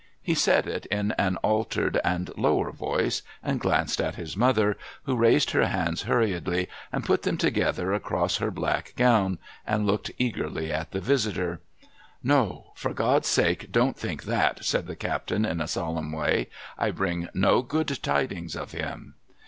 He said it in an altered and lower voice, and glanced at his mother, who raised her hands hurriedly, and put them together across her black gown, and looked eagerly at the visitor. ' No ! For God's sake, don't think that !' said the captain, in a solemn way; 'I bring no good tidings of him.'